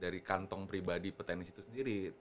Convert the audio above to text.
dari kantong pribadi petenis itu sendiri